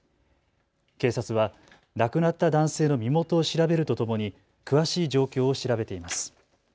警察は亡くなった男性の身元を調べるとともに詳しい状況を調べています。